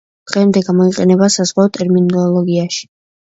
დღემდე გამოიყენება საზღვაო ტერმინოლოგიაში.